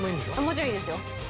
もちろんいいですよ。